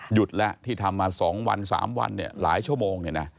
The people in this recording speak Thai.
หยุดแล้วที่ทำมา๒วัน๓วันหลายชั่วโมง